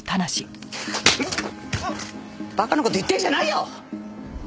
馬鹿な事言ってんじゃないよ！